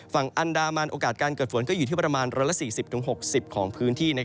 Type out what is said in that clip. ฝั่งอันดามันโอกาสการเกิดฝนก็อยู่ที่ประมาณ๑๔๐๖๐ของพื้นที่